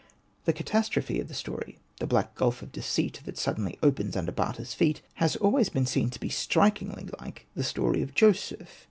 The catastrophe of the story — the black gulf of deceit that suddenly opens under Bata's feet — has always been seen to be strikingly like the story of Joseph.